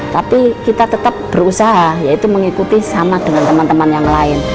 tapi kita tetap berusaha yaitu mengikuti sama dengan teman teman yang lain